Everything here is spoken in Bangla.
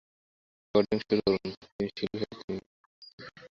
তিনি শিশু শিল্পী হিসাবে তাঁর মেয়ে নার্গিসকেও এই ছবিতে এনেছিলেন।